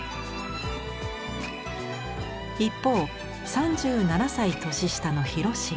一方３７歳年下の広重。